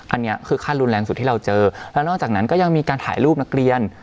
อันนี้คือขั้นรุนแรงสุดที่เราเจอแล้วนอกจากนั้นก็ยังมีการถ่ายรูปนักเรียน